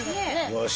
よし。